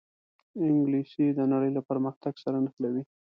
انګلیسي د نړۍ له پرمختګ سره نښلوي